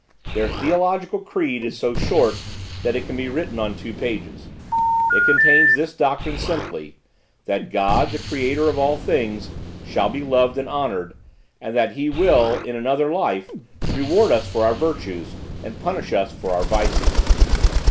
Their theological creed is so short that it can be written on two pages. It contains this doctrine simply, that God, the creator of all things, shall be loved and honored; and that He will, in an other life, reward us for our virtues and punish us for our vices.